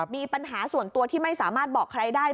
มีปัญหาส่วนตัวที่ไม่สามารถบอกใครได้